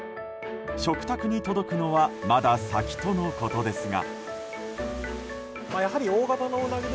食卓に届くのはまだ先とのことですが。